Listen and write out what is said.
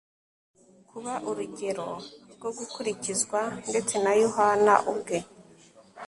kuba urugero rwo gukurikizwa. Ndetse na Yohana ubwe,